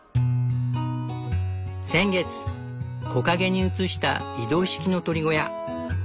先月木陰に移した移動式の鶏小屋。